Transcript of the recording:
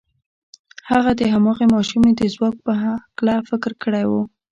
هغه د هماغې ماشومې د ځواک په هکله فکر کړی و.